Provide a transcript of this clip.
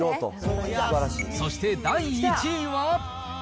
そして第１位は。